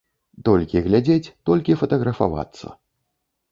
Толькі глядзець, толькі фатаграфавацца.